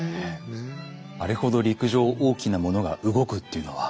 あれほど陸上を大きなものが動くっていうのは。